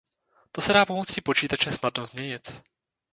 To se dá pomocí počítače snadno změnit.